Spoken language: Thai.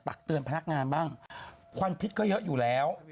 ตักเตือนพนักงานบ้างควันพิษก็เยอะอยู่แล้ว